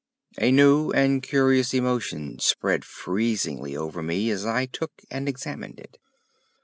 A new and curious emotion spread freezingly over me as I took and examined it.